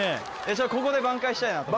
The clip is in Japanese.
ここで挽回したいなと思います